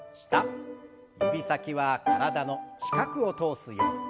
指先は体の近くを通すように。